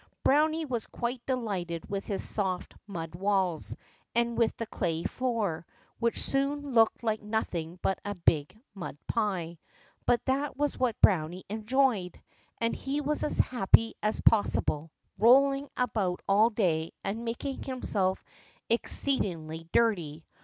Browny was quite delighted with his soft mud walls and with the clay floor, which soon looked like nothing but a big mud pie. But that was what Browny enjoyed, and he was as happy as possible, rolling about all day and making himself exceedingly dirty.